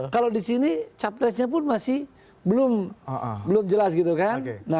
kalau di sini cawapresnya pun masih belum belum jelas gitu kan nah ulama ini sebetulnya awalnya